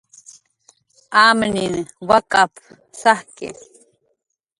"Amninh wak'ap"" sajki"